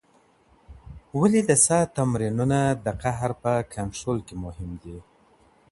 ولي د ساه تمرینونه د قهر په کنټرول کي مهم دي؟